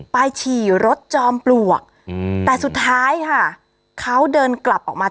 ไปฉี่รถจอมปลวก